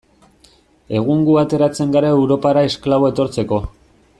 Egun gu ateratzen gara Europara esklabo etortzeko.